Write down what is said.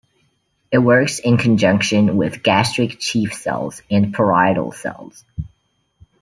It works in conjunction with gastric chief cells and parietal cells.